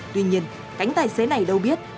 tuy nhiên cánh tài xế này đâu biết